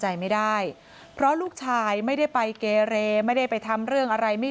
ใจไม่ได้เพราะลูกชายไม่ได้ไปเกเรไม่ได้ไปทำเรื่องอะไรไม่